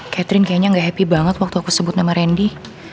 catherine kayaknya gak happy banget waktu aku sebut nama randy